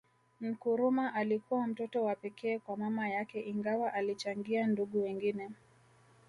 Nkurumah alikuwa mtoto wa pekee kwa mama yake Ingawa alichangia ndugu wengine